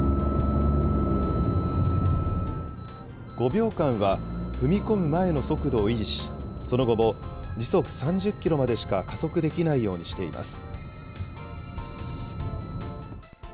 ５秒間は踏み込む前の速度を維持し、その後も時速３０キロまでしか加速できないようにしています。